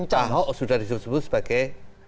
kalau sudah disebut sebut sebagai